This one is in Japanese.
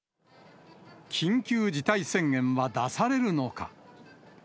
緊急事態宣言は出されるのか。